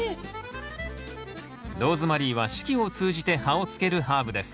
ローズマリーは四季を通じて葉をつけるハーブです。